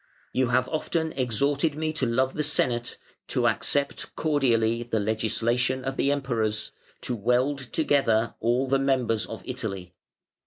"You have often exhorted me to love the Senate, to accept cordially the legislation of the Emperors, to weld together all the members of Italy.